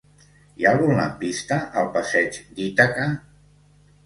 Hi ha algun lampista al passeig d'Ítaca?